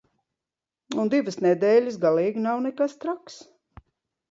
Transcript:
Un divas nedēļas galīgi nav nekas traks.